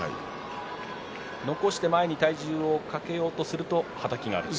残して前に体重をかけようとすると、はたきがある。